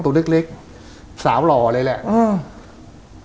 ตัวเล็กเล็กสาวหล่อเลยแหละอืม